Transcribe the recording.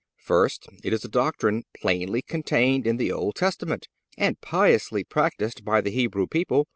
First—It is a doctrine plainly contained in the Old Testament and piously practiced by the Hebrew people.